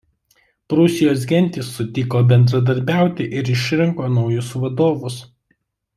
Prūsijos gentys sutiko bendradarbiauti ir išrinko naujus vadovus.